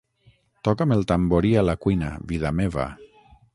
Toca'm el tamborí a la cuina, vida meva.